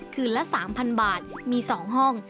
คืนละ๓๐๐๐บาทมี๒ห้อง